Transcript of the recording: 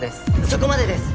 そこまでです！